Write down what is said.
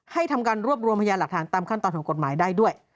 ทำการรวบรวมพยานหลักฐานตามขั้นตอนของกฎหมายได้ด้วย